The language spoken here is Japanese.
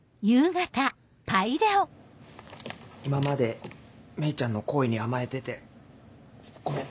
今まで芽衣ちゃんの厚意に甘えててごめん。